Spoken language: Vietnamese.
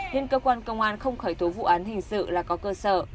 nên cơ quan công an không khởi tố vụ án hình sự là có cơ sở